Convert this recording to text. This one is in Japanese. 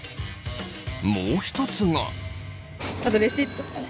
もう一つが。